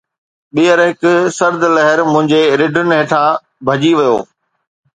ٻيهر، هڪ سرد لهر منهنجي رڍن هيٺان ڀڄي ويو